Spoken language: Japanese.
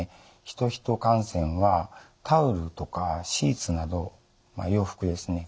ヒトヒト感染はタオルとかシーツなど洋服ですね